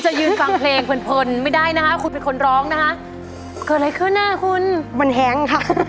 จริง